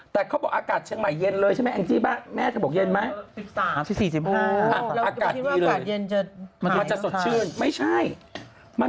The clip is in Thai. แต่เขาบอกอากาศเชียงใหม่เย็นเลยใช่ไหมแองจี้บ้า